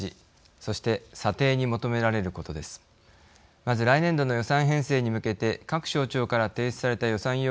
まず来年度の予算編成に向けて各省庁から提出された予算要求について見てみます。